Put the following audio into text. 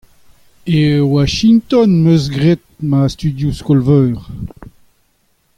E Washington em eus graet ma studioù skol-veur.